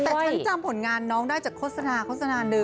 แต่ฉันจำผลงานน้องได้จากโฆษณาโฆษณาหนึ่ง